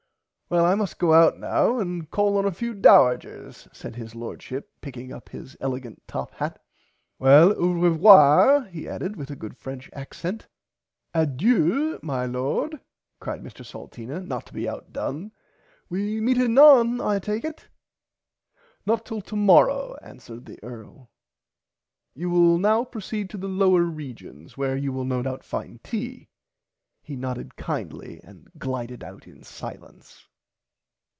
Well I must go out now and call on a few Dowigers said his Lordship picking up his elegent top hat. Well au revoir he added with a good french accent. Adieu my Lord cried Mr Salteena not to be out done we meet anon I take it. Not till tomorrow answered the earl you will now proceed to the lower regions where you will no doubt find tea. He nodded kindly and glided out in silence.